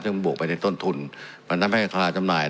ถึงมันบวกไปในต้นทุนแล้วทำให้การซำนาย